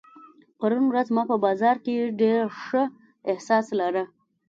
پرون ورځ ما په بازار کې ډېر ښه احساس لارۀ.